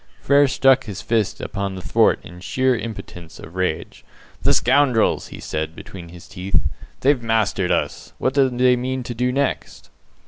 Frere struck his fist upon the thwart in sheer impotence of rage. "The scoundrels!" he said, between his teeth, "they've mastered us. What do they mean to do next?"